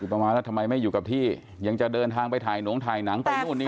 ประมาณแล้วทำไมไม่อยู่กับที่ยังจะเดินทางไปถ่ายหงถ่ายหนังไปนู่นนี่